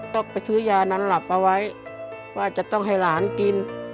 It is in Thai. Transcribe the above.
ต้องไปซื้อยานั้นหลับเอาไว้ว่าจะต้องให้หลานกิน